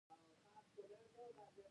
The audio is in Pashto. مخکې کسبګرو کارونه د سپارښتونو پر اساس کول.